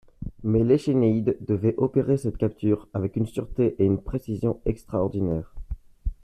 Mais l'échénéïde devait opérer cette capture avec une sûreté et une précision extraordinaire.